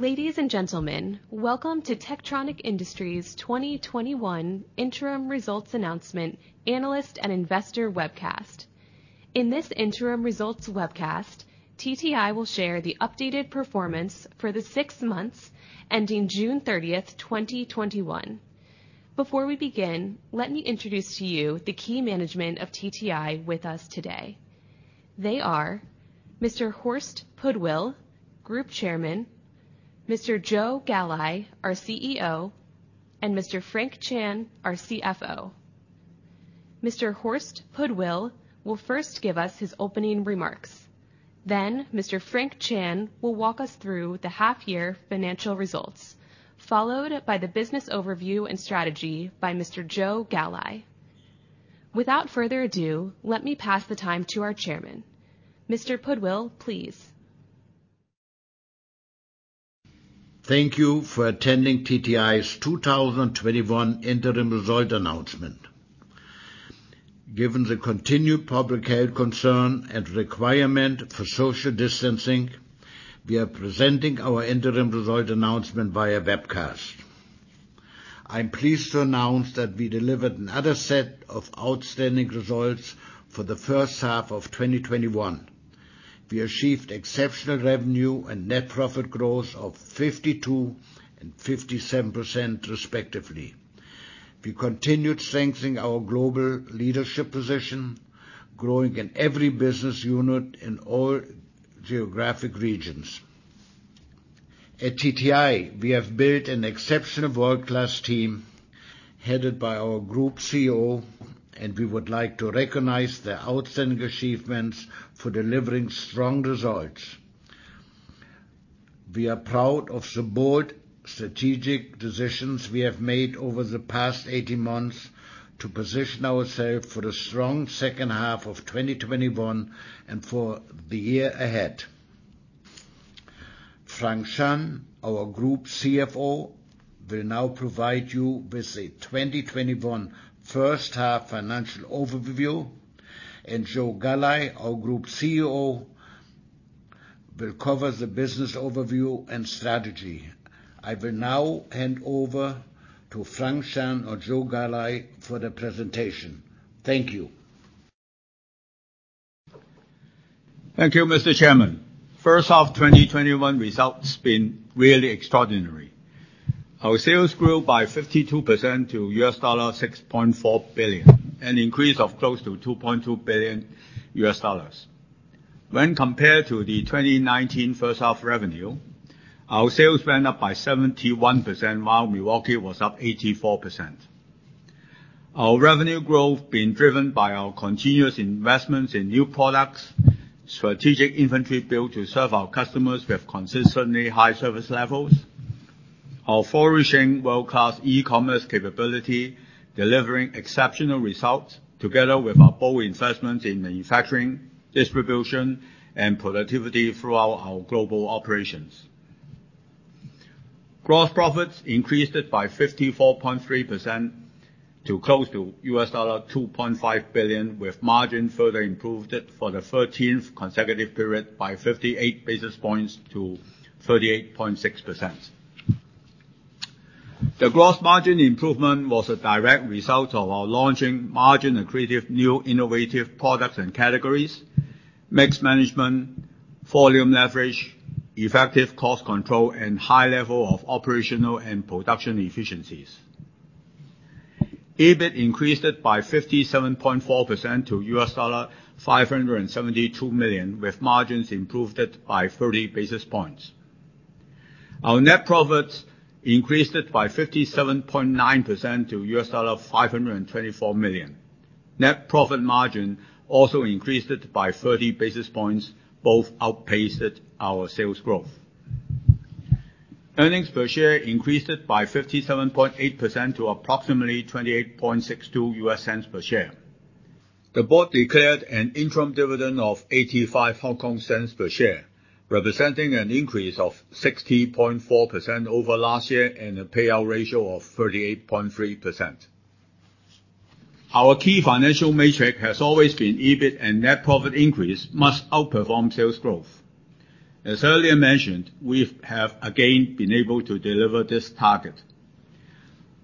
Ladies and gentlemen, welcome to Techtronic Industries 2021 Interim Results Announcement Analyst and Investor Webcast. In this interim results webcast, TTI will share the updated performance for the six months ending June 30th, 2021. Before we begin, let me introduce to you the key management of TTI with us today. They are Mr. Horst Pudwill, Group Chairman, Mr. Joe Galli, our CEO, and Mr. Frank Chan, our CFO. Mr. Horst Pudwill will first give us his opening remarks. Mr. Frank Chan will walk us through the half-year financial results, followed by the business overview and strategy by Mr. Joe Galli. Without further ado, let me pass the time to our chairman. Mr. Pudwill, please. Thank you for attending TTI's 2021 Interim Result Announcement. Given the continued public health concern and requirement for social distancing, we are presenting our interim result announcement via webcast. I'm pleased to announce that we delivered another set of outstanding results for the first half of 2021. We achieved exceptional revenue and net profit growth of 52% and 57%, respectively. We continued strengthening our global leadership position, growing in every business unit in all geographic regions. At TTI, we have built an exceptional world-class team headed by our Group CEO, and we would like to recognize their outstanding achievements for delivering strong results. We are proud of the bold strategic decisions we have made over the past 18 months to position ourselves for the strong second half of 2021 and for the year ahead. Frank Chan, our Group CFO, will now provide you with the 2021 first half financial overview, and Joe Galli, our Group CEO, will cover the business overview and strategy. I will now hand over to Frank Chan or Joe Galli for the presentation. Thank you. Thank you, Mr. Chairman. First half 2021 results been really extraordinary. Our sales grew by 52% to $6.4 billion, an increase of close to $2.2 billion. When compared to the 2019 first half revenue, our sales went up by 71%, while Milwaukee was up 84%. Our revenue growth being driven by our continuous investments in new products, strategic inventory built to serve our customers with consistently high service levels, our flourishing world-class e-commerce capability, delivering exceptional results together with our bold investments in manufacturing, distribution, and productivity throughout our global operations. Gross profits increased by 54.3% to close to $2.5 billion with margin further improved for the 13th consecutive period by 58 basis points to 38.6%. The gross margin improvement was a direct result of our launching margin-accretive new innovative products and categories, mix management, volume leverage, effective cost control, and high level of operational and production efficiencies. EBIT increased by 57.4% to $572 million with margins improved by 30 basis points. Our net profits increased by 57.9% to $524 million. Net profit margin also increased by 30 basis points, both outpaced our sales growth. Earnings per share increased by 57.8% to approximately $0.2862 per share. The board declared an interim dividend of 0.85 per share, representing an increase of 60.4% over last year and a payout ratio of 38.3%. Our key financial metric has always been EBIT and net profit increase must outperform sales growth. As earlier mentioned, we have again been able to deliver this target.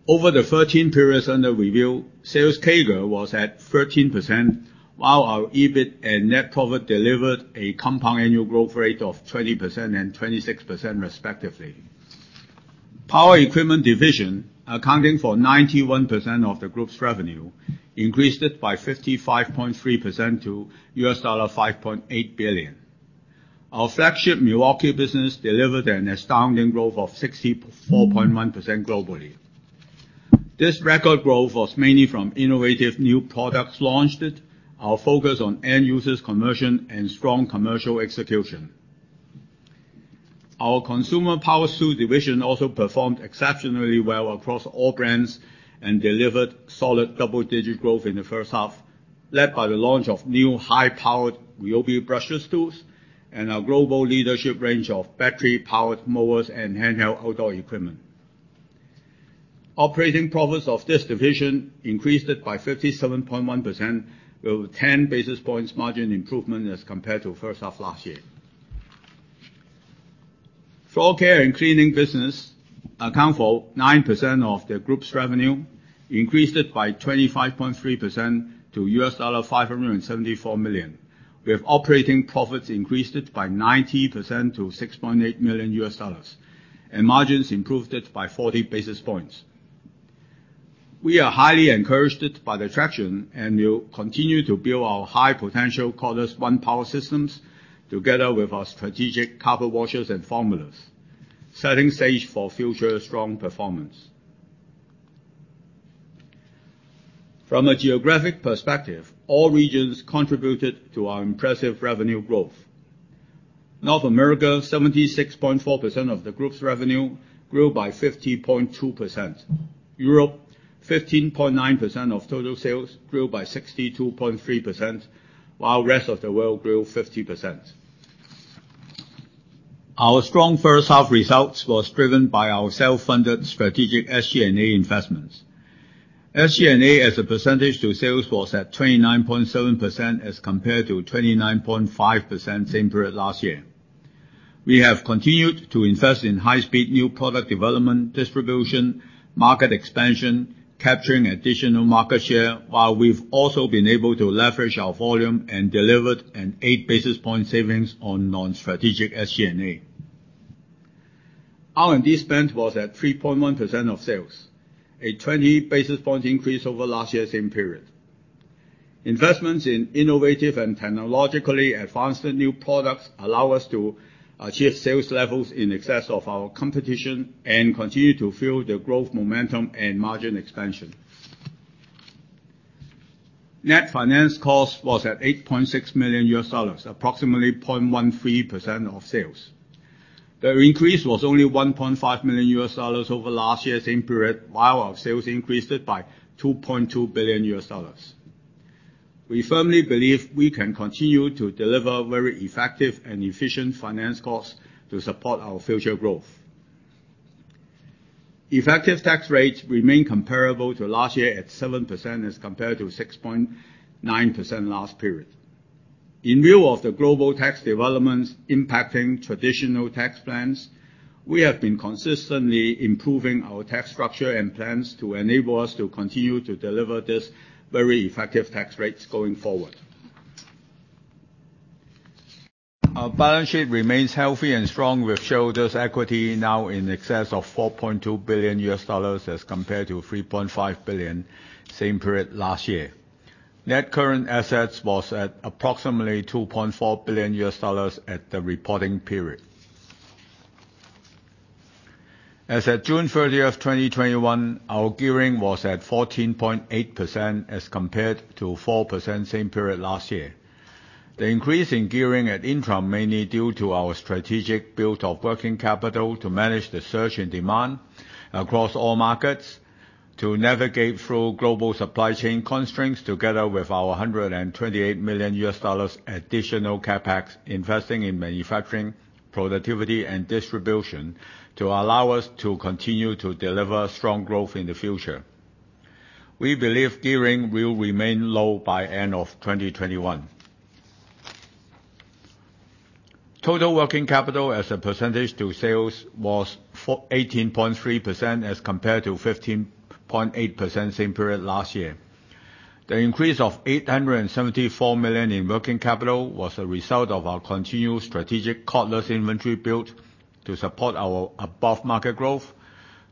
Over the 13 periods under review, sales CAGR was at 13%, while our EBIT and net profit delivered a compound annual growth rate of 20% and 26%, respectively. Power equipment division, accounting for 91% of the group's revenue, increased by 55.3% to $5.8 billion. Our flagship Milwaukee business delivered an astounding growth of 64.1% globally. This record growth was mainly from innovative new products launched, our focus on end users conversion, and strong commercial execution. Our consumer power tool division also performed exceptionally well across all brands and delivered solid double-digit growth in the first half, led by the launch of new high-powered RYOBI brushless tools and our global leadership range of battery-powered mowers and handheld outdoor equipment. Operating profits of this division increased by 57.1% with 10 basis points margin improvement as compared to first half last year. Floor care and cleaning business account for 9% of the group's revenue, increased by 25.3% to $574 million, with operating profits increased by 90% to $6.8 million. Margins improved by 40 basis points. We are highly encouraged by the traction, and we will continue to build our high potential cordless ONE+ systems together with our strategic carpet washers and formulas, setting stage for future strong performance. From a geographic perspective, all regions contributed to our impressive revenue growth. North America, 76.4% of the group's revenue, grew by 50.2%. Europe, 15.9% of total sales, grew by 62.3%, while rest of the world grew 50%. Our strong first half results was driven by our self-funded strategic SG&A investments. SG&A as a percentage to sales was at 29.7% as compared to 29.5% same period last year. We have continued to invest in high-speed new product development, distribution, market expansion, capturing additional market share, while we've also been able to leverage our volume and delivered an 8 basis point savings on non-strategic SG&A. R&D spend was at 3.1% of sales, a 20 basis point increase over last year's same period. Investments in innovative and technologically advanced new products allow us to achieve sales levels in excess of our competition and continue to fuel the growth momentum and margin expansion. Net finance cost was at $8.6 million, approximately 0.13% of sales. The increase was only $1.5 million over last year's same period, while our sales increased by $2.2 billion. We firmly believe we can continue to deliver very effective and efficient finance costs to support our future growth. Effective tax rates remain comparable to last year at 7% as compared to 6.9% last period. In view of the global tax developments impacting traditional tax plans, we have been consistently improving our tax structure and plans to enable us to continue to deliver these very effective tax rates going forward. Our balance sheet remains healthy and strong with shareholders' equity now in excess of $4.2 billion as compared to $3.5 billion same period last year. Net current assets was at approximately $2.4 billion at the reporting period. As at June 30th, 2021, our gearing was at 14.8% as compared to 4% same period last year. The increase in gearing at interim, mainly due to our strategic build of working capital to manage the surge in demand across all markets, to navigate through global supply chain constraints, together with our $128 million additional CapEx investing in manufacturing, productivity, and distribution to allow us to continue to deliver strong growth in the future. We believe gearing will remain low by end of 2021. Total working capital as a percentage to sales was 18.3% as compared to 15.8% same period last year. The increase of 874 million in working capital was a result of our continued strategic cordless inventory build to support our above-market growth,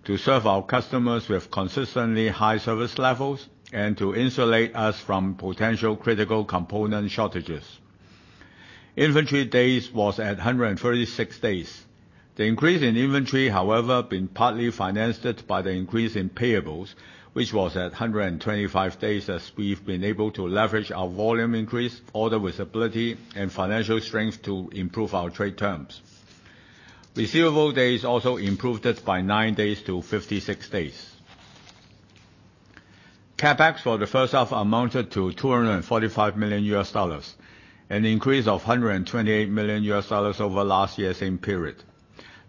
to serve our customers with consistently high service levels, and to insulate us from potential critical component shortages. Inventory days was at 136 days. The increase in inventory, however, been partly financed by the increase in payables, which was at 125 days as we've been able to leverage our volume increase, order visibility, and financial strength to improve our trade terms. Receivable days also improved by nine days to 56 days. CapEx for the first half amounted to $245 million, an increase of $128 million over last year's same period,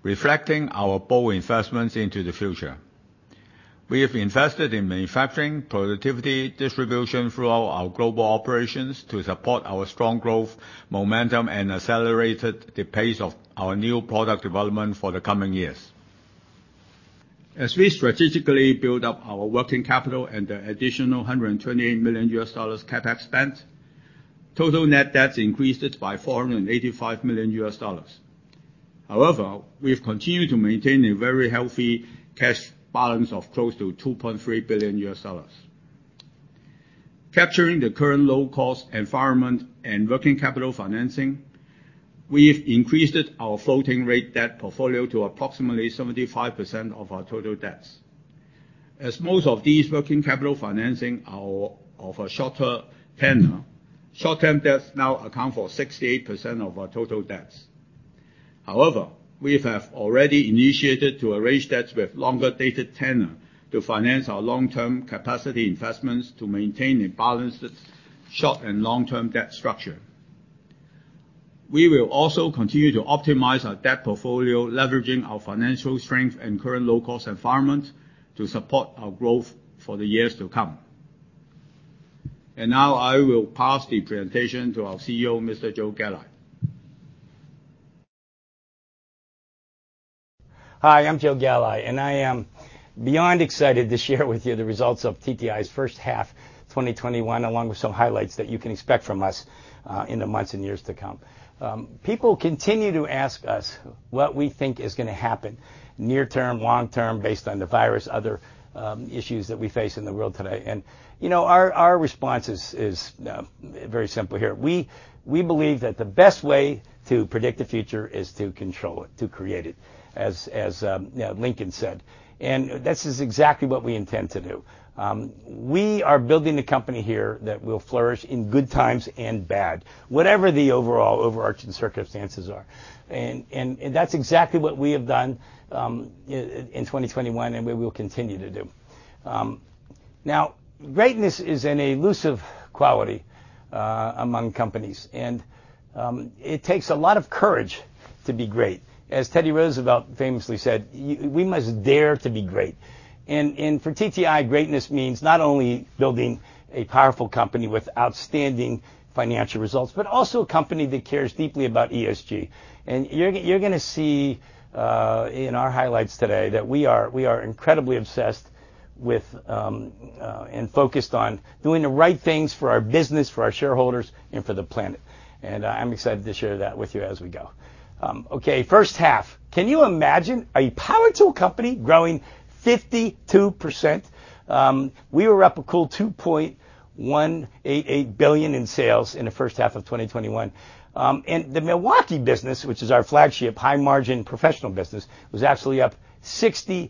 reflecting our bold investments into the future. We have invested in manufacturing, productivity, distribution throughout our global operations to support our strong growth momentum and accelerated the pace of our new product development for the coming years. As we strategically build up our working capital and the additional $128 million CapEx spend, total net debts increased by $485 million. However, we've continued to maintain a very healthy cash balance of close to $2.3 billion. Capturing the current low-cost environment and working capital financing, we've increased our floating rate debt portfolio to approximately 75% of our total debts. As most of these working capital financing are of a shorter tenor, short-term debts now account for 68% of our total debts. However, we have already initiated to arrange debts with longer dated tenor to finance our long-term capacity investments to maintain a balanced short and long-term debt structure. We will also continue to optimize our debt portfolio, leveraging our financial strength and current low-cost environment to support our growth for the years to come. Now I will pass the presentation to our CEO, Mr. Joe Galli. Hi, I'm Joe Galli, and I am beyond excited to share with you the results of TTI's first half 2021, along with some highlights that you can expect from us in the months and years to come. People continue to ask us what we think is going to happen near term, long term, based on the virus, other issues that we face in the world today, and our response is very simple here. We believe that the best way to predict the future is to control it, to create it, as Lincoln said. This is exactly what we intend to do. We are building a company here that will flourish in good times and bad, whatever the overall overarching circumstances are. That's exactly what we have done in 2021, and we will continue to do. Greatness is an elusive quality among companies, and it takes a lot of courage to be great. As Teddy Roosevelt famously said, "We must dare to be great." For TTI, greatness means not only building a powerful company with outstanding financial results, but also a company that cares deeply about ESG. You're going to see in our highlights today that we are incredibly obsessed with, and focused on doing the right things for our business, for our shareholders, and for the planet. I'm excited to share that with you as we go. First half, can you imagine a power tool company growing 52%? We were up a cool $2.188 billion in sales in the first half of 2021. The Milwaukee business, which is our flagship high margin professional business, was absolutely up 64%.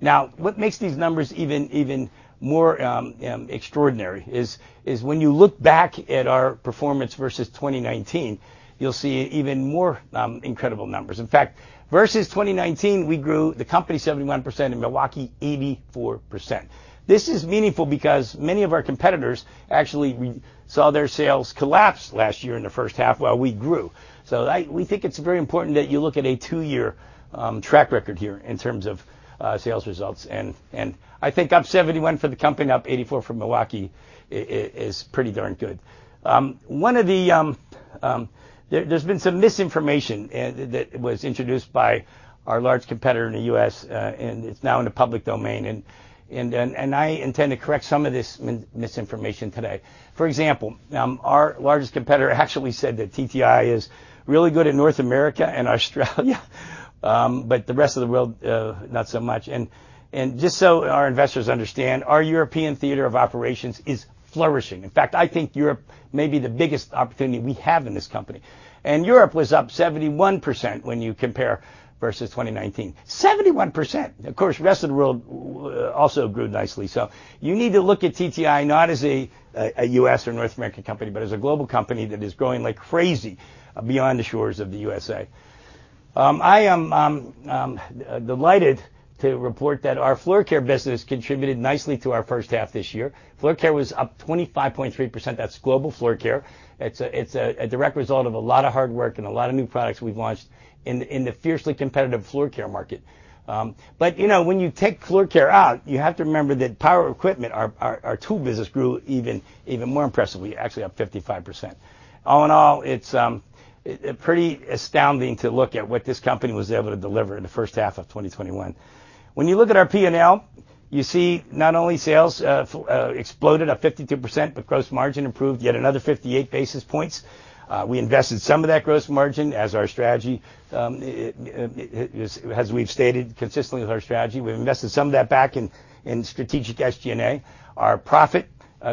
What makes these numbers even more extraordinary is when you look back at our performance versus 2019, you'll see even more incredible numbers. In fact, versus 2019, we grew the company 71%, and Milwaukee 84%. This is meaningful because many of our competitors actually saw their sales collapse last year in the first half while we grew. We think it's very important that you look at a two-year track record here in terms of sales results, and I think up 71% for the company, up 84% for Milwaukee, is pretty darn good. There's been some misinformation that was introduced by our large competitor in the U.S., and it's now in the public domain, and I intend to correct some of this misinformation today. For example, our largest competitor actually said that TTI is really good at North America and Australia, but the rest of the world, not so much. Just so our investors understand, our European theater of operations is flourishing. In fact, I think Europe may be the biggest opportunity we have in this company. Europe was up 71% when you compare versus 2019. 71%. The rest of the world also grew nicely. You need to look at TTI not as a U.S. or North American company, but as a global company that is growing like crazy beyond the shores of the U.S.A. I am delighted to report that our floor care business contributed nicely to our first half this year. Floor care was up 25.3%. That's global floor care. It's a direct result of a lot of hard work and a lot of new products we've launched in the fiercely competitive floor care market. When you take floor care out, you have to remember that power equipment, our tool business, grew even more impressively, actually up 55%. All in all, it's pretty astounding to look at what this company was able to deliver in the first half of 2021. When you look at our P&L, you see not only sales exploded up 52%, but gross margin improved yet another 58 basis points. We invested some of that gross margin as our strategy, as we've stated consistently with our strategy, we've invested some of that back in strategic SG&A. Our profit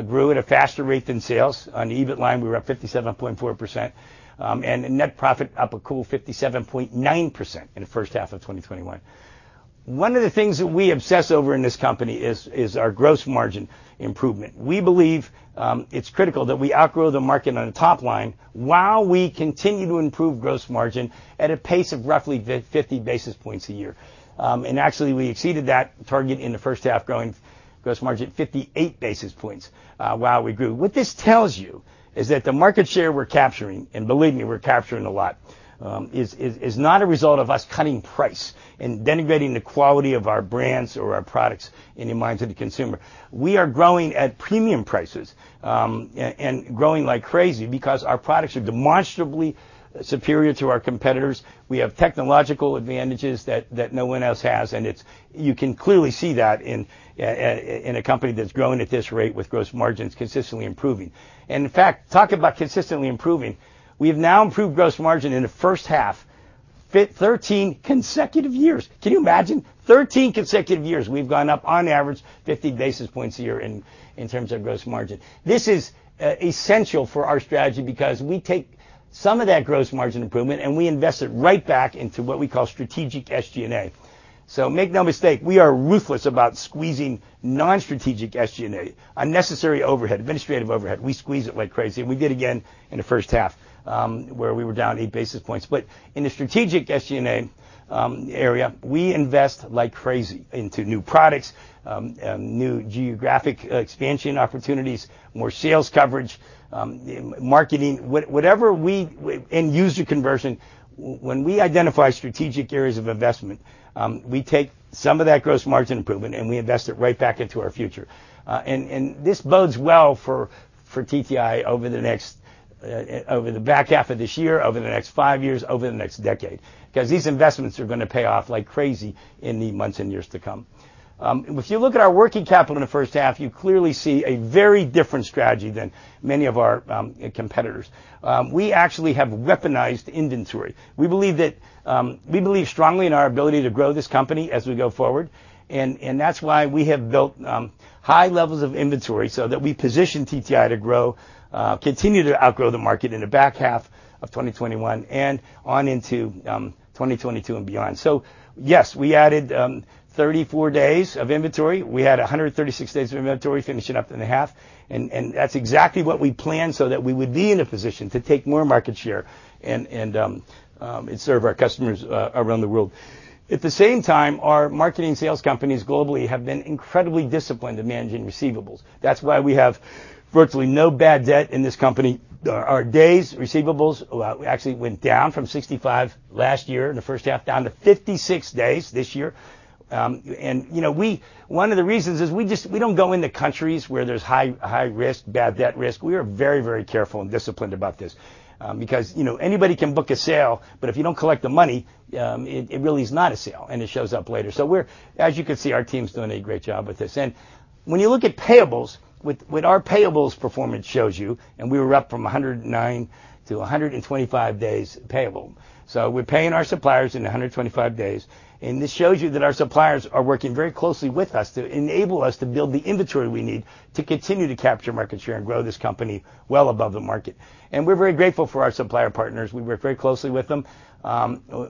grew at a faster rate than sales. On EBIT line, we were up 57.4%, and net profit up a cool 57.9% in the first half of 2021. One of the things that we obsess over in this company is our gross margin improvement. We believe it's critical that we outgrow the market on the top line while we continue to improve gross margin at a pace of roughly 50 basis points a year. Actually, we exceeded that target in the first half, growing gross margin 58 basis points while we grew. What this tells you is that the market share we're capturing, and believe me, we're capturing a lot, is not a result of us cutting price and denigrating the quality of our brands or our products in the minds of the consumer. We are growing at premium prices, growing like crazy because our products are demonstrably superior to our competitors. We have technological advantages that no one else has, and you can clearly see that in a company that's growing at this rate with gross margins consistently improving. In fact, talk about consistently improving, we've now improved gross margin in the first half 13 consecutive years. Can you imagine? 13 consecutive years we've gone up on average 50 basis points a year in terms of gross margin. This is essential for our strategy because we take some of that gross margin improvement and we invest it right back into what we call strategic SG&A. Make no mistake, we are ruthless about squeezing non-strategic SG&A, unnecessary overhead, administrative overhead. We squeeze it like crazy. We did again in the first half, where we were down 8 basis points. In the strategic SG&A area, we invest like crazy into new products, new geographic expansion opportunities, more sales coverage, marketing, and user conversion. When we identify strategic areas of investment, we take some of that gross margin improvement and we invest it right back into our future. This bodes well for TTI over the back half of this year, over the next five years, over the next decade, because these investments are going to pay off like crazy in the months and years to come. If you look at our working capital in the first half, you clearly see a very different strategy than many of our competitors. We actually have weaponized inventory. We believe strongly in our ability to grow this company as we go forward, that's why we have built high levels of inventory so that we position TTI to grow, continue to outgrow the market in the back half of 2021 and on into 2022 and beyond. Yes, we added 34 days of inventory. We had 136 days of inventory finishing up in the half, that's exactly what we planned so that we would be in a position to take more market share and serve our customers around the world. At the same time, our marketing sales companies globally have been incredibly disciplined in managing receivables. That's why we have virtually no bad debt in this company. Our days receivables actually went down from 65 last year in the first half, down to 56 days this year. One of the reasons is we don't go into countries where there's high risk, bad debt risk. We are very, very careful and disciplined about this. Anybody can book a sale, but if you don't collect the money, it really is not a sale, and it shows up later. As you can see, our team's doing a great job with this. When you look at payables, what our payables performance shows you, and we were up from 109 to 125 days payable. We're paying our suppliers in 125 days, and this shows you that our suppliers are working very closely with us to enable us to build the inventory we need to continue to capture market share and grow this company well above the market. We're very grateful for our supplier partners. We work very closely with them.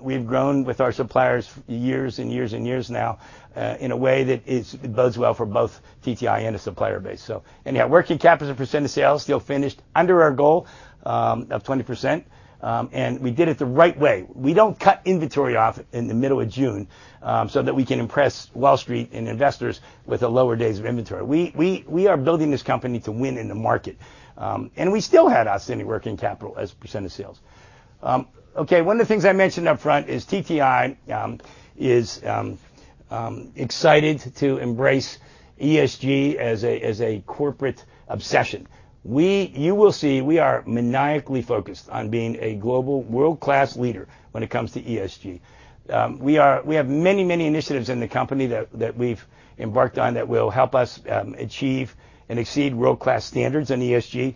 We've grown with our suppliers years and years and years now in a way that bodes well for both TTI and the supplier base. Yeah, working capital as a percent of sales still finished under our goal of 20%, and we did it the right way. We don't cut inventory off in the middle of June, so that we can impress Wall Street and investors with the lower days of inventory. We are building this company to win in the market. We still had outstanding working capital as a percent of sales. Okay, one of the things I mentioned up front is TTI is excited to embrace ESG as a corporate obsession. You will see we are maniacally focused on being a global world-class leader when it comes to ESG. We have many initiatives in the company that we've embarked on that will help us achieve and exceed world-class standards in ESG.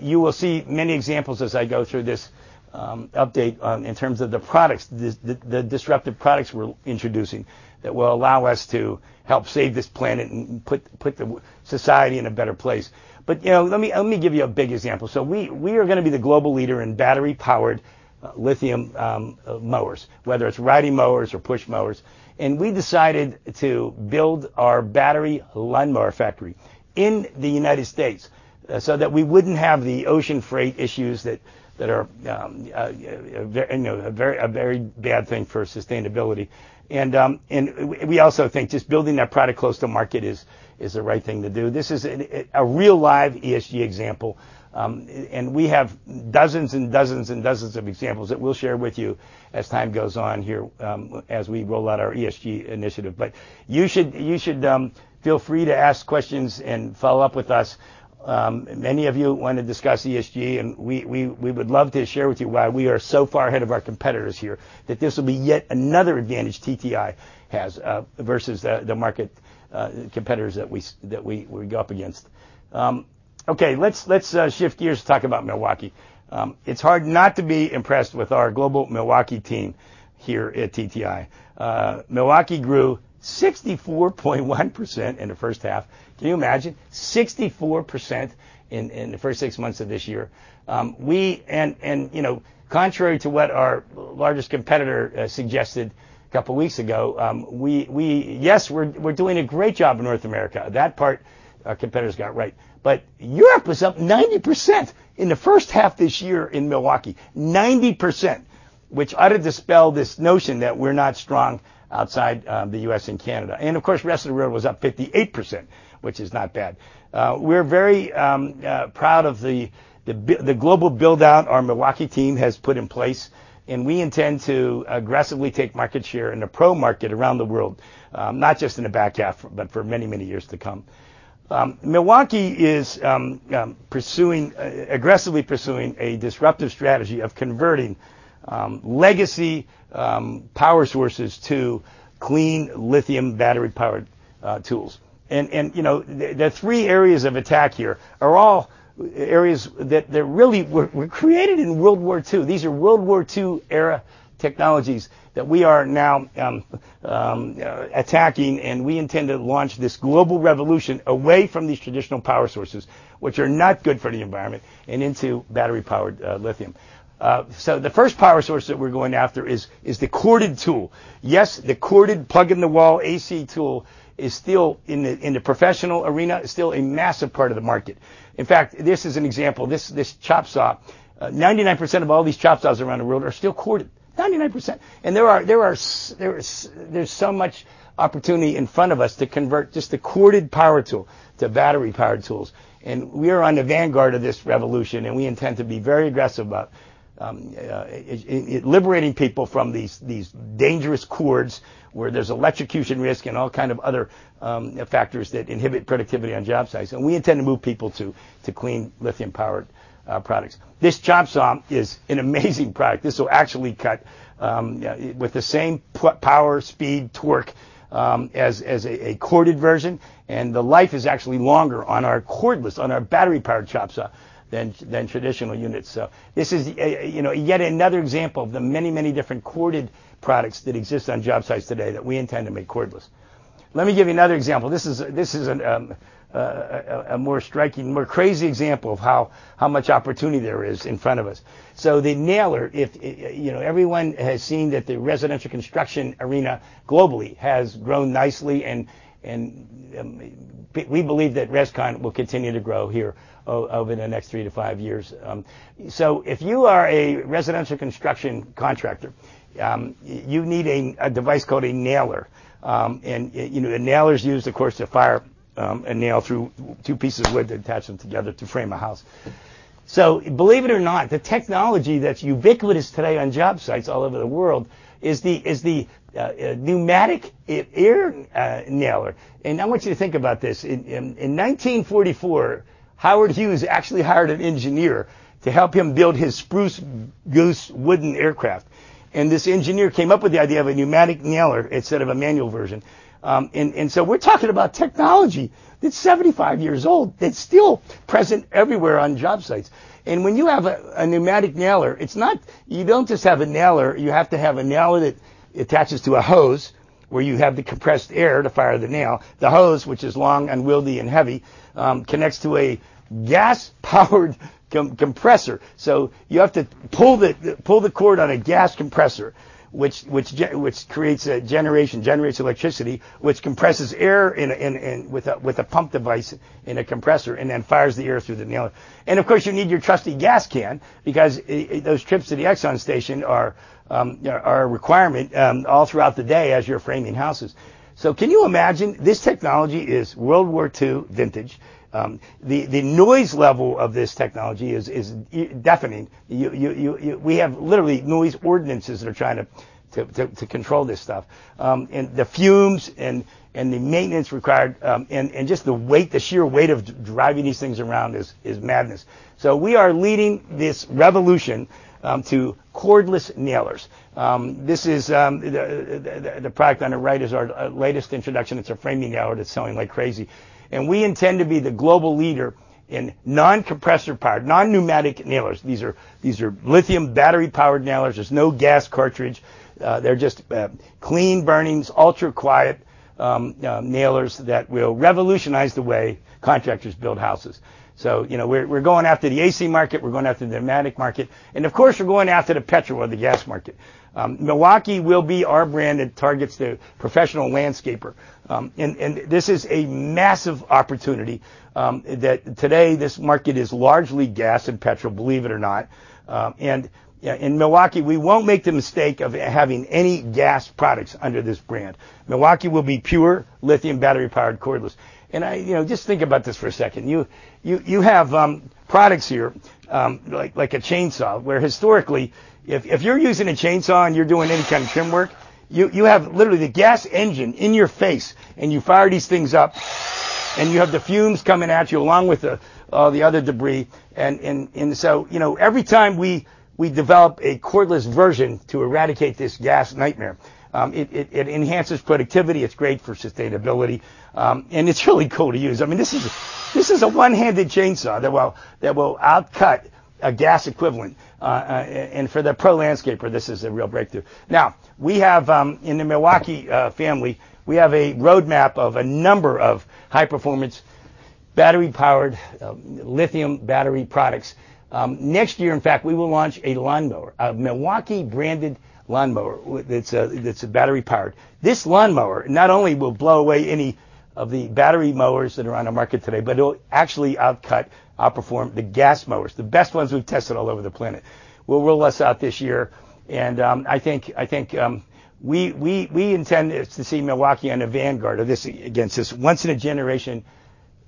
You will see many examples as I go through this update in terms of the products, the disruptive products we're introducing that will allow us to help save this planet and put society in a better place. Let me give you a big example. We are going to be the global leader in battery-powered lithium mowers, whether it's riding mowers or push mowers. We decided to build our battery lawnmower factory in the United States, so that we wouldn't have the ocean freight issues that are a very bad thing for sustainability. We also think just building that product close to market is the right thing to do. This is a real live ESG example, we have dozens and dozens and dozens of examples that we'll share with you as time goes on here, as we roll out our ESG initiative. You should feel free to ask questions and follow up with us. Many of you want to discuss ESG, and we would love to share with you why we are so far ahead of our competitors here that this will be yet another advantage TTI has versus the market competitors that we go up against. Okay. Let's shift gears to talk about Milwaukee. It's hard not to be impressed with our global Milwaukee team here at TTI. Milwaukee grew 64.1% in the first half. Can you imagine? 64% in the first six months of this year. Contrary to what our largest competitor suggested a couple of weeks ago, yes, we're doing a great job in North America. That part our competitors got right. Europe was up 90% in the first half of this year in Milwaukee. 90%, which ought to dispel this notion that we're not strong outside the U.S. and Canada. Of course, the rest of the world was up 58%, which is not bad. We're very proud of the global build-out our Milwaukee team has put in place, and we intend to aggressively take market share in the pro market around the world, not just in the back half, but for many, many years to come. Milwaukee is aggressively pursuing a disruptive strategy of converting legacy power sources to clean lithium battery-powered tools. The three areas of attack here are all areas that really were created in World War II. These are World War II-era technologies that we are now attacking, and we intend to launch this global revolution away from these traditional power sources, which are not good for the environment, and into battery-powered lithium. The first power source that we're going after is the corded tool. Yes, the corded plug-in-the-wall AC tool is still in the professional arena. It's still a massive part of the market. In fact, this is an example. This chop saw, 99% of all these chop saws around the world are still corded. There's so much opportunity in front of us to convert just the corded power tool to battery-powered tools. We are on the vanguard of this revolution, and we intend to be very aggressive about liberating people from these dangerous cords where there's electrocution risk and all kind of other factors that inhibit productivity on job sites. We intend to move people to clean lithium-powered products. This chop saw is an amazing product. This will actually cut with the same power, speed, torque as a corded version, and the life is actually longer on our cordless, on our battery-powered chop saw than traditional units. This is yet another example of the many, many different corded products that exist on job sites today that we intend to make cordless. Let me give you another example. This is a more striking, more crazy example of how much opportunity there is in front of us. The nailer, everyone has seen that the residential construction arena globally has grown nicely, and we believe that res con will continue to grow here over the next three-five years. If you are a residential construction contractor, you need a device called a nailer. A nailer is used, of course, to fire a nail through two pieces of wood to attach them together to frame a house. Believe it or not, the technology that's ubiquitous today on job sites all over the world is the pneumatic air nailer. I want you to think about this. In 1944, Howard Hughes actually hired an engineer to help him build his Spruce Goose wooden aircraft, and this engineer came up with the idea of a pneumatic nailer instead of a manual version. We're talking about technology that's 75 years old, that's still present everywhere on job sites. When you have a pneumatic nailer, you don't just have a nailer, you have to have a nailer that attaches to a hose where you have the compressed air to fire the nail. The hose, which is long, unwieldy, and heavy, connects to a gas-powered compressor. You have to pull the cord on a gas compressor, which creates a generation, generates electricity, which compresses air with a pump device in a compressor, and then fires the air through the nailer. Of course, you need your trusty gas can because those trips to the Exxon station are a requirement all throughout the day as you're framing houses. Can you imagine? This technology is World War II vintage. The noise level of this technology is deafening. We have literally noise ordinances that are trying to control this stuff. The fumes and the maintenance required, and just the sheer weight of driving these things around is madness. We are leading this revolution to cordless nailers. The product on the right is our latest introduction. It's a framing nailer that's selling like crazy. We intend to be the global leader in non-compressor powered, non-pneumatic nailers. These are lithium battery-powered nailers. There's no gas cartridge. They're just clean-burning, ultra-quiet nailers that will revolutionize the way contractors build houses. We're going after the AC market, we're going after the pneumatic market, and of course, we're going after the petrol or the gas market. Milwaukee will be our brand that targets the professional landscaper. This is a massive opportunity that today this market is largely gas and petrol, believe it or not. In Milwaukee, we won't make the mistake of having any gas products under this brand. Milwaukee will be pure lithium battery-powered cordless. Just think about this for a second. You have products here like a chainsaw, where historically, if you're using a chainsaw and you're doing any kind of trim work, you have literally the gas engine in your face, and you fire these things up, and you have the fumes coming at you along with all the other debris. Every time we develop a cordless version to eradicate this gas nightmare, it enhances productivity, it's great for sustainability, and it's really cool to use. This is a one-handed chainsaw that will out-cut a gas equivalent. For the pro landscaper, this is a real breakthrough. Now, in the Milwaukee family, we have a roadmap of a number of high-performance battery-powered lithium battery products. Next year, in fact, we will launch a lawnmower, a Milwaukee-branded lawnmower that's battery-powered. This lawnmower not only will blow away any of the battery mowers that are on the market today, but it'll actually out-cut, out-perform the gas mowers, the best ones we've tested all over the planet. We'll roll this out this year, and I think we intend to see Milwaukee on the vanguard against this once-in-a-generation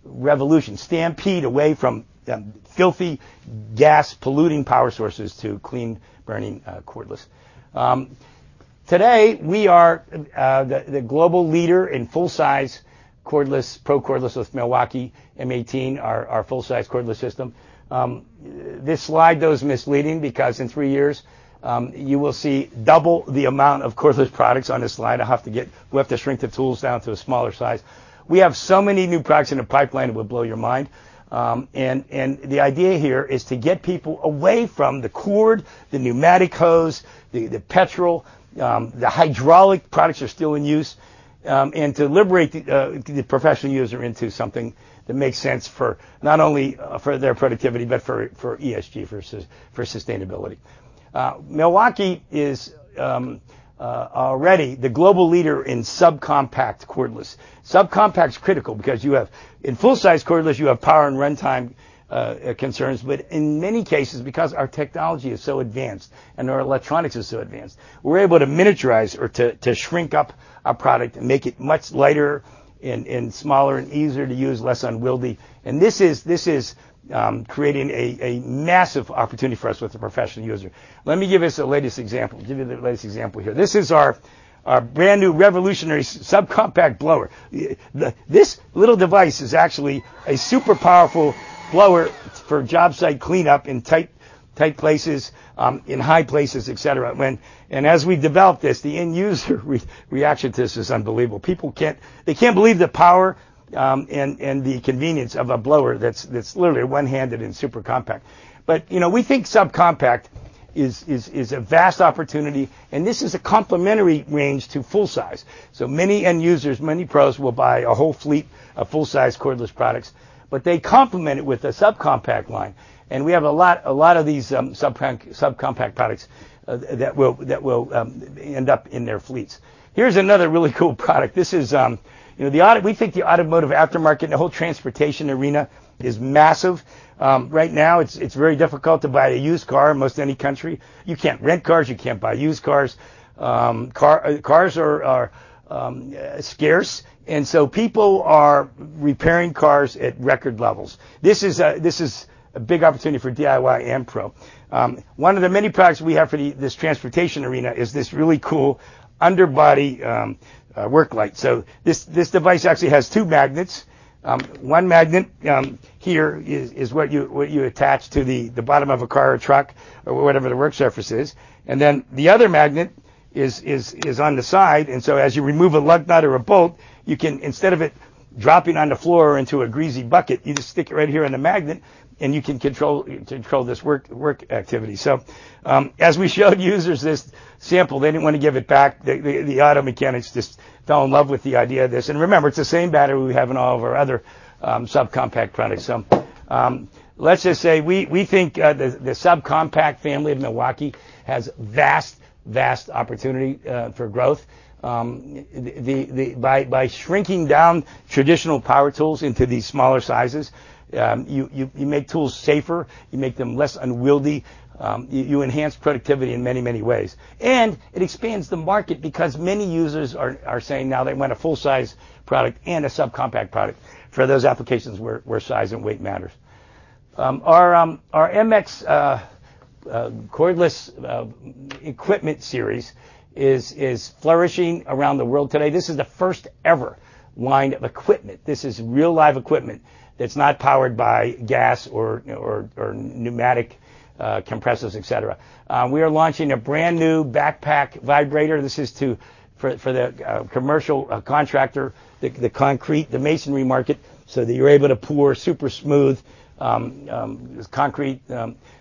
revolution stampede away from filthy gas polluting power sources to clean-burning cordless. Today we are the global leader in full-size pro cordless with Milwaukee M18, our full-size cordless system. This slide though is misleading because in three years, you will see double the amount of cordless products on this slide. We'll have to shrink the tools down to a smaller size. We have so many new products in the pipeline it will blow your mind. The idea here is to get people away from the cord, the pneumatic hose, the petrol, the hydraulic products that are still in use, and to liberate the professional user into something that makes sense for not only for their productivity but for ESG, for sustainability. Milwaukee is already the global leader in subcompact cordless. Subcompact's critical because you have, in full-size cordless, you have power and runtime concerns. In many cases, because our technology is so advanced and our electronics is so advanced, we're able to miniaturize or to shrink up our product and make it much lighter and smaller and easier to use, less unwieldy. This is creating a massive opportunity for us with the professional user. Let me give you the latest example here. This is our brand-new revolutionary subcompact blower. This little device is actually a super powerful blower for jobsite cleanup in tight places, in high places, et cetera. As we developed this, the end user reaction to this is unbelievable. People can't believe the power and the convenience of a blower that's literally 1-handed and super compact. We think subcompact is a vast opportunity, and this is a complementary range to full size. Many end users, many pros will buy a whole fleet of full-size cordless products, but they complement it with a subcompact line, and we have a lot of these subcompact products that will end up in their fleets. Here's another really cool product. We think the automotive aftermarket and the whole transportation arena is massive. Right now it's very difficult to buy a used car in most any country. You can't rent cars, you can't buy used cars. Cars are scarce, people are repairing cars at record levels. This is a big opportunity for DIY and pro. One of the many products we have for this transportation arena is this really cool underbody work light. This device actually has two magnets. One magnet here is what you attach to the bottom of a car or truck or whatever the work surface is. The other magnet is on the side. As you remove a lug nut or a bolt, you can, instead of it dropping on the floor into a greasy bucket, you just stick it right here on the magnet, and you can control this work activity. As we showed users this sample, they didn't want to give it back. The auto mechanics just fell in love with the idea of this. Remember, it's the same battery we have in all of our other subcompact products. Let's just say we think the subcompact family of Milwaukee has vast opportunity for growth. By shrinking down traditional power tools into these smaller sizes, you make tools safer, you make them less unwieldy, you enhance productivity in many ways. It expands the market because many users are saying now they want a full-size product and a subcompact product for those applications where size and weight matters. Our MX cordless equipment series is flourishing around the world today. This is the first ever line of equipment. This is real live equipment that's not powered by gas or pneumatic compressors, et cetera. We are launching a brand-new backpack vibrator. This is for the commercial contractor, the concrete, the masonry market, so that you're able to pour super smooth concrete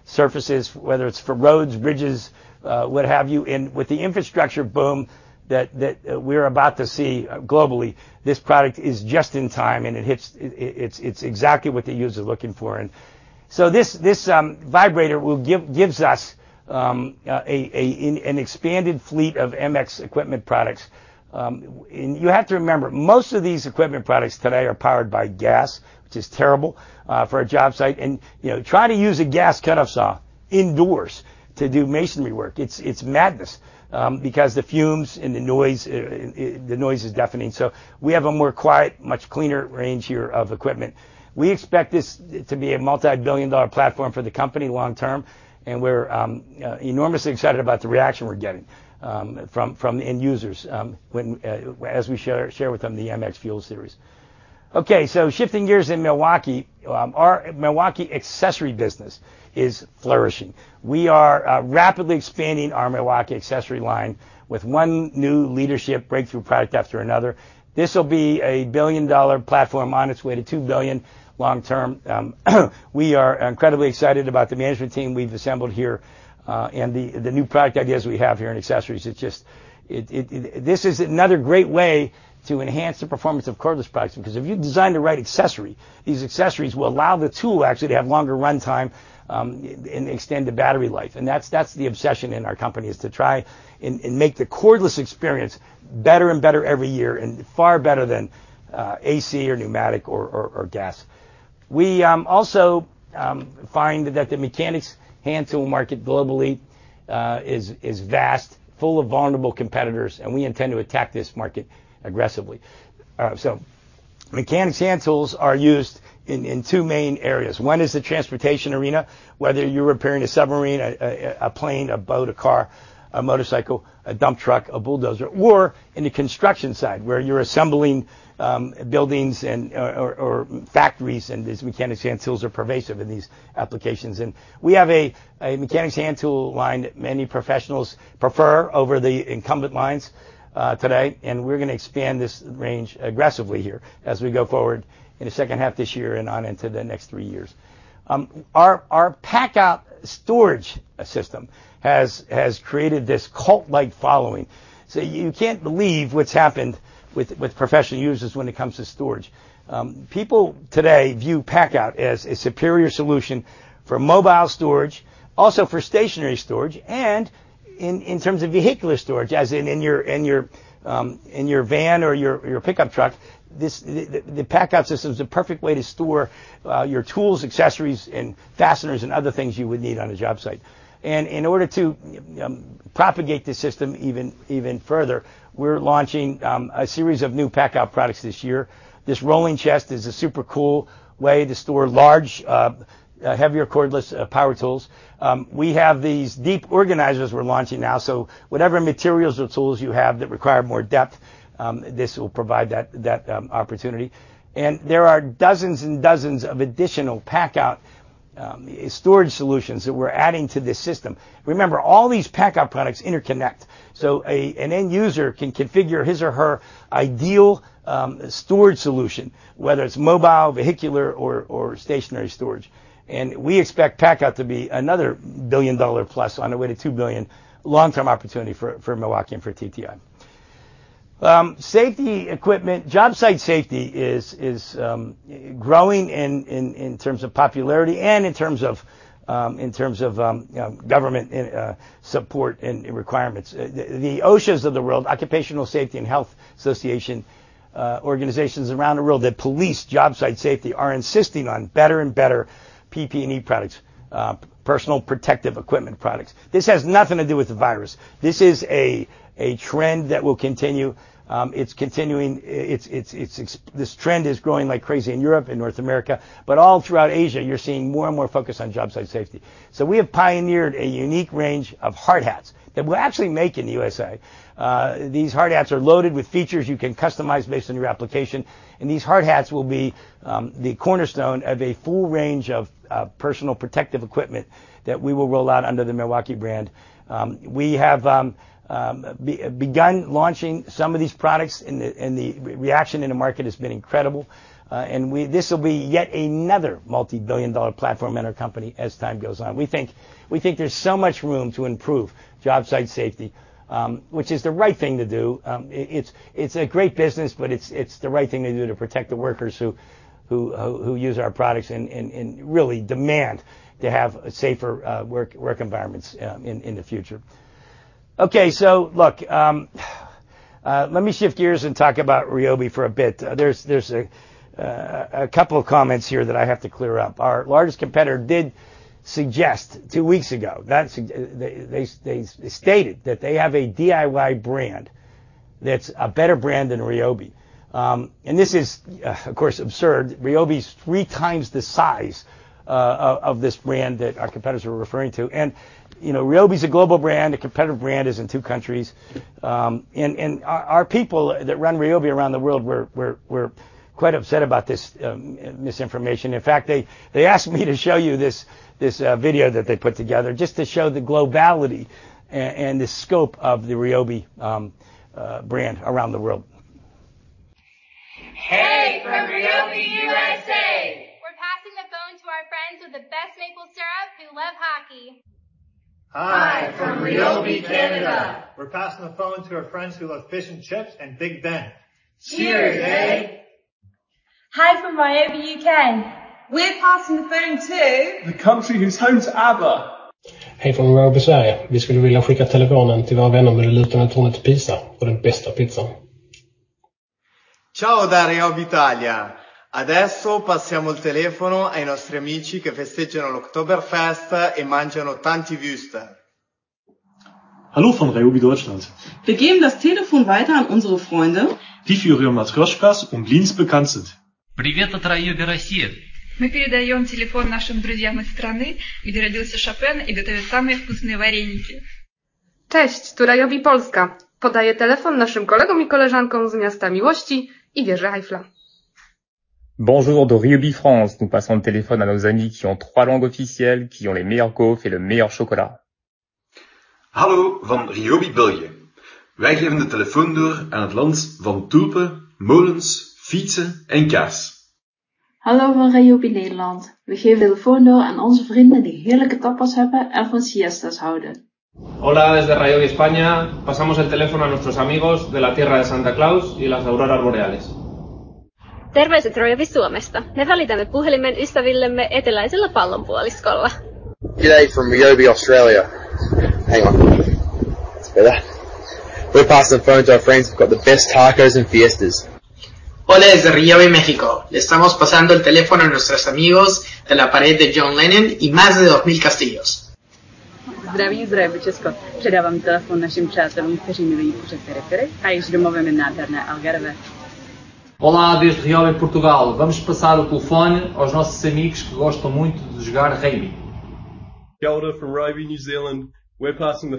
surfaces, whether it's for roads, bridges, what have you. With the infrastructure boom that we're about to see globally, this product is just in time, and it's exactly what the user is looking for. This vibrator gives us an expanded fleet of MX FUEL equipment products. You have to remember, most of these equipment products today are powered by gas, which is terrible for a job site. Try to use a gas cutoff saw indoors to do masonry work. It's madness, because the fumes and the noise is deafening. We have a more quiet, much cleaner range here of equipment. We expect this to be a multi-billion dollar platform for the company long term, and we're enormously excited about the reaction we're getting from the end users as we share with them the MX FUEL series. Okay, shifting gears in Milwaukee. Our Milwaukee accessory business is flourishing. We are rapidly expanding our Milwaukee accessory line with 1 new leadership breakthrough product after another. This will be a billion-dollar platform on its way to $2 billion long term. We are incredibly excited about the management team we've assembled here, and the new product ideas we have here in accessories. This is another great way to enhance the performance of cordless products because if you design the right accessory, these accessories will allow the tool actually to have longer runtime and extend the battery life. That's the obsession in our company is to try and make the cordless experience better and better every year and far better than AC or pneumatic or gas. We also find that the mechanics hand tool market globally is vast, full of vulnerable competitors, and we intend to attack this market aggressively. Mechanics hand tools are used in 2 main areas. 1 is the transportation arena. Whether you're repairing a submarine, a plane, a boat, a car, a motorcycle, a dump truck, a bulldozer, or in the construction side, where you're assembling buildings or factories, and these mechanics hand tools are pervasive in these applications. We have a mechanics hand tool line that many professionals prefer over the incumbent lines today. We're going to expand this range aggressively here as we go forward in the second half of this year and on into the next three years. Our PACKOUT storage system has created this cult-like following. You can't believe what's happened with professional users when it comes to storage. People today view PACKOUT as a superior solution for mobile storage, also for stationary storage, and in terms of vehicular storage, as in your van or your pickup truck. The PACKOUT system's the perfect way to store your tools, accessories, and fasteners, and other things you would need on a job site. In order to propagate the system even further, we're launching a series of new PACKOUT products this year. This rolling chest is a super cool way to store large, heavier cordless power tools. We have these deep organizers we're launching now, so whatever materials or tools you have that require more depth, this will provide that opportunity. There are dozens and dozens of additional PACKOUT storage solutions that we're adding to this system. Remember, all these PACKOUT products interconnect, so an end user can configure his or her ideal storage solution, whether it's mobile, vehicular, or stationary storage. We expect PACKOUT to be another $1 billion-plus, on the way to $2 billion, long-term opportunity for Milwaukee and for TTI. Safety equipment. Job site safety is growing in terms of popularity and in terms of government support and requirements. The OSHAs of the world, Occupational Safety and Health Administration organizations around the world that police job site safety, are insisting on better and better PPE products, personal protective equipment products. This has nothing to do with the virus. This is a trend that will continue. This trend is growing like crazy in Europe and North America, but all throughout Asia, you're seeing more and more focus on job site safety. We have pioneered a unique range of hard hats that we actually make in the USA. These hard hats are loaded with features you can customize based on your application, and these hard hats will be the cornerstone of a full range of personal protective equipment that we will roll out under the Milwaukee brand. We have begun launching some of these products, and the reaction in the market has been incredible. This will be yet another multi-billion-dollar platform in our company as time goes on. We think there's so much room to improve job site safety, which is the right thing to do. It's a great business, but it's the right thing to do to protect the workers who use our products and really demand to have safer work environments in the future. Look, let me shift gears and talk about RYOBI for a bit. There's a couple of comments here that I have to clear up. Our largest competitor did suggest two weeks ago that They stated that they have a DIY brand that's a better brand than RYOBI. This is, of course, absurd. RYOBI's 3x the size of this brand that our competitors were referring to. RYOBI's a global brand. The competitor brand is in two countries. Our people that run RYOBI around the world were quite upset about this misinformation. In fact, they asked me to show you this video that they put together just to show the globality and the scope of the RYOBI brand around the world. Hey from RYOBI USA. We're passing the phone to our friends with the best maple syrup who love hockey. Hi from RYOBI Canada. We're passing the phone to our friends who love fish and chips and Big Ben. Cheers, eh? Hi from RYOBI UK. We're passing the phone to. The country who's home to ABBA. Hey from RYOBI Sverige. We're passing the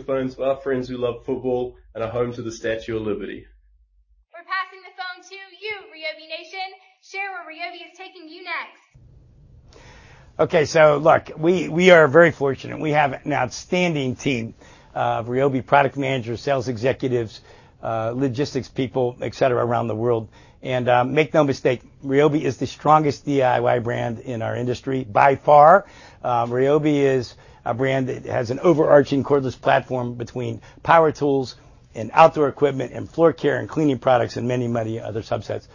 phone to you, RYOBI Nation. Share where RYOBI is taking you next. Look, we are very fortunate. We have an outstanding team of RYOBI product managers, sales executives, logistics people, et cetera, around the world. Make no mistake, RYOBI is the strongest DIY brand in our industry by far. RYOBI is a brand that has an overarching cordless platform between power tools and outdoor equipment and floor care and cleaning products, and many, many other subsets.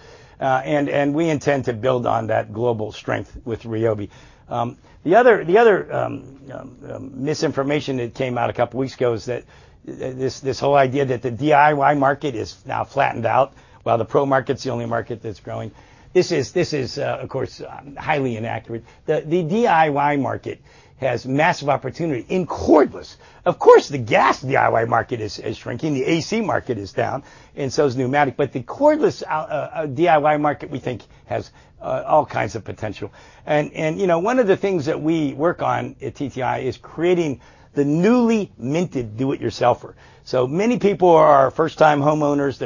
We intend to build on that global strength with RYOBI. The other misinformation that came out a couple weeks ago is that this whole idea that the DIY market is now flattened out, while the pro market's the only market that's growing. This is, of course, highly inaccurate. The DIY market has massive opportunity in cordless. Of course, the gas DIY market is shrinking. The AC market is down, and so is pneumatic. The cordless DIY market, we think, has all kinds of potential. One of the things that we work on at TTI is creating the newly minted do-it-yourselfer. Many people are first-time homeowners,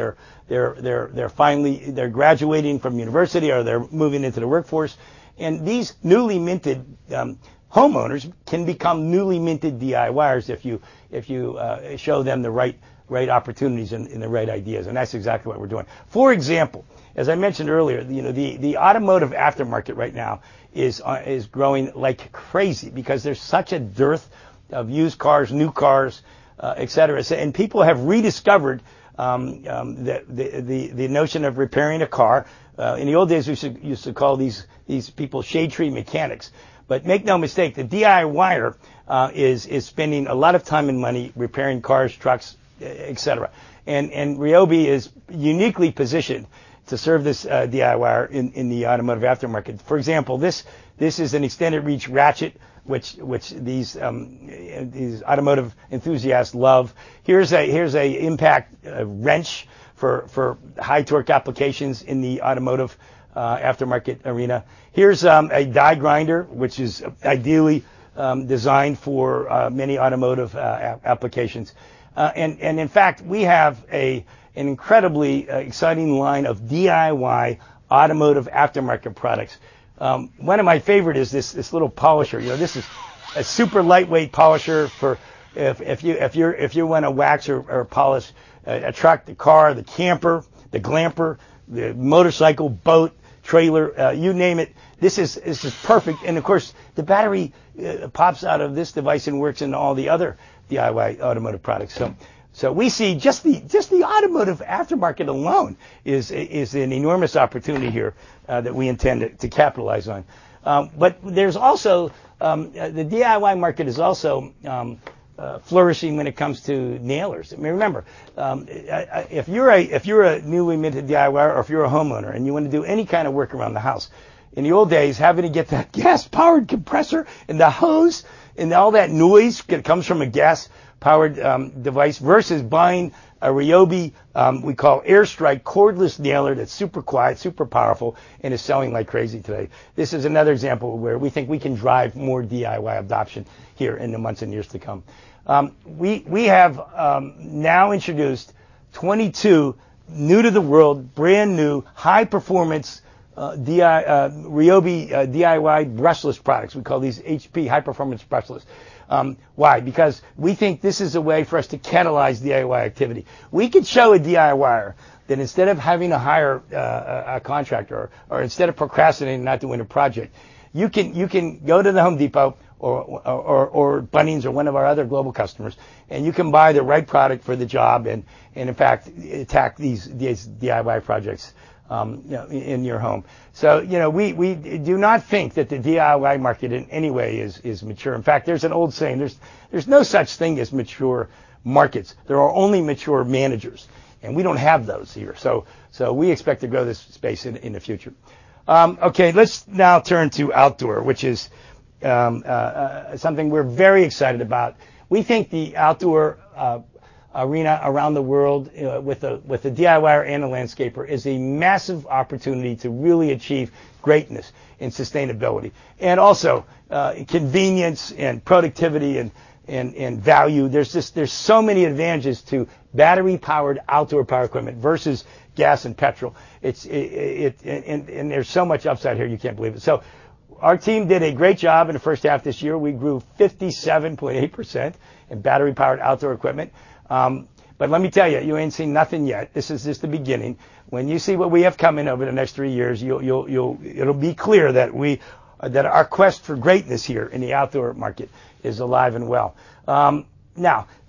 they're finally graduating from university, or they're moving into the workforce. These newly minted homeowners can become newly minted DIYers if you show them the right opportunities and the right ideas, and that's exactly what we're doing. For example, as I mentioned earlier, the automotive aftermarket right now is growing like crazy because there's such a dearth of used cars, new cars, et cetera. People have rediscovered the notion of repairing a car. In the old days, we used to call these people shade tree mechanics. Make no mistake, the DIYer is spending a lot of time and money repairing cars, trucks, et cetera. RYOBI is uniquely positioned to serve this DIYer in the automotive aftermarket. For example, this is an extended reach ratchet, which these automotive enthusiasts love. Here's an impact wrench for high-torque applications in the automotive aftermarket arena. Here's a die grinder, which is ideally designed for many automotive applications. In fact, we have an incredibly exciting line of DIY automotive aftermarket products. One of my favorite is this little polisher. This is a super lightweight polisher for if you want to wax or polish a truck, the car, the camper, the glamper, the motorcycle, boat, trailer, you name it, this is perfect. Of course, the battery pops out of this device and works in all the other DIY automotive products. We see just the automotive aftermarket alone is an enormous opportunity here that we intend to capitalize on. The DIY market is also flourishing when it comes to nailers. I mean, remember, if you're a newly minted DIYer, or if you're a homeowner and you want to do any kind of work around the house, in the old days, having to get that gas-powered compressor and the hose and all that noise that comes from a gas-powered device, versus buying a RYOBI, we call AirStrike cordless nailer, that's super quiet, super powerful, and is selling like crazy today. This is another example of where we think we can drive more DIY adoption here in the months and years to come. We have now introduced 22 new to the world, brand-new, high-performance RYOBI DIY brushless products. We call these HP, high-performance, brushless. Why? Because we think this is a way for us to catalyze DIY activity. We could show a DIYer that instead of having to hire a contractor or instead of procrastinating and not doing a project, you can go to The Home Depot or Bunnings or one of our other global customers, and you can buy the right product for the job, and in fact, attack these DIY projects in your home. We do not think that the DIY market in any way is mature. In fact, there's an old saying, there's no such thing as mature markets. There are only mature managers, we don't have those here. We expect to grow this space in the future. Let's now turn to outdoor, which is something we're very excited about. We think the outdoor arena around the world with the DIYer and the landscaper is a massive opportunity to really achieve greatness and sustainability, also convenience and productivity and value. There's so many advantages to battery-powered outdoor power equipment versus gas and petrol. There's so much upside here, you can't believe it. Our team did a great job in the first half of this year. We grew 57.8% in battery-powered outdoor equipment. Let me tell you ain't seen nothing yet. This is just the beginning. When you see what we have coming over the next 3 years, it'll be clear that our quest for greatness here in the outdoor market is alive and well.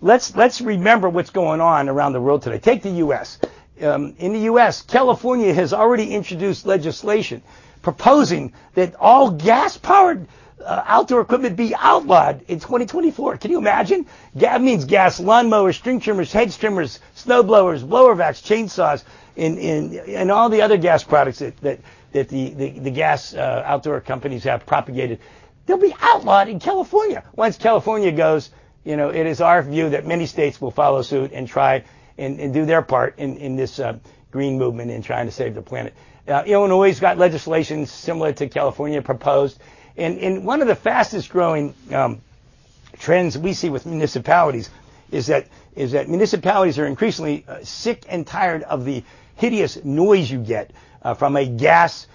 Let's remember what's going on around the world today. Take the U.S. In the U.S., California has already introduced legislation proposing that all gas-powered outdoor equipment be outlawed in 2024. Can you imagine? That means gas lawnmowers, string trimmers, hedge trimmers, snowblowers, blower vacs, chainsaws, and all the other gas products that the gas outdoor companies have propagated. They'll be outlawed in California. Once California goes, it is our view that many states will follow suit and try and do their part in this green movement in trying to save the planet. Illinois's got legislation similar to California proposed. One of the fastest growing trends we see with municipalities is that municipalities are increasingly sick and tired of the hideous noise you get from a gas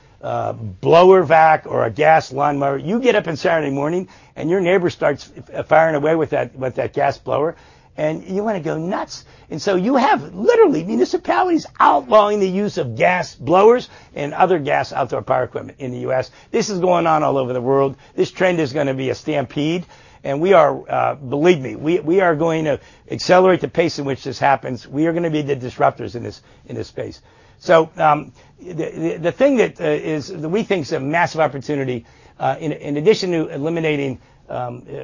blower vac or a gas lawnmower. You get up on Saturday morning and your neighbor starts firing away with that gas blower, and you want to go nuts. You have literally municipalities outlawing the use of gas blowers and other gas outdoor power equipment in the U.S. This is going on all over the world. This trend is going to be a stampede, and believe me, we are going to accelerate the pace in which this happens. We are going to be the disruptors in this space. The thing that we think is a massive opportunity, in addition to eliminating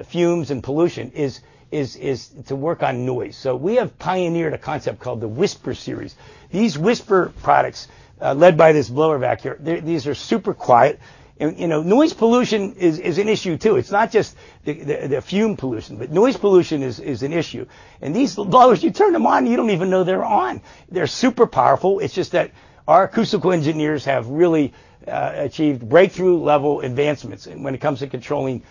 fumes and pollution, is to work on noise. We have pioneered a concept called the Whisper Series. These Whisper products, led by this blower vac here, these are super quiet. Noise pollution is an issue, too. It's not just the fume pollution, but noise pollution is an issue. These blowers, you turn them on, you don't even know they're on. They're super powerful. It's just that our acoustical engineers have really achieved breakthrough-level advancements when it comes to controlling